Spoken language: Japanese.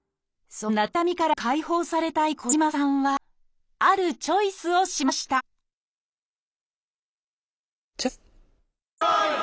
そんなつらい胃の痛みから解放されたい小嶋さんはあるチョイスをしましたチョイス！